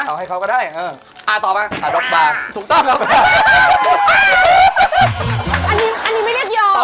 แต่ว่านัทตอบเลย